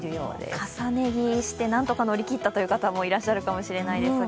重ね着してなんとか乗り切ったという方もいらっしゃるかもしれませんが。